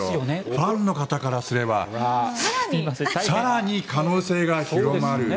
ファンの方からすれば更に可能性が広まる。